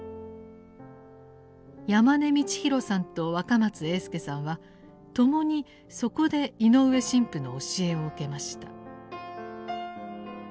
山根道公さんと若松英輔さんは共にそこで井上神父の教えを受けました。